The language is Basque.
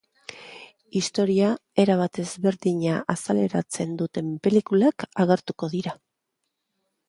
Historia erabat ezberdina azaleratzen duten pelikulak agertuko dira.